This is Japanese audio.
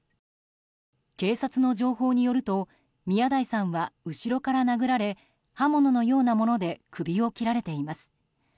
警察の情報によると宮台さんは後ろから殴られ刃物のようなもので首を切られています。